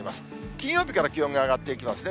金曜日から気温が上がっていきますね。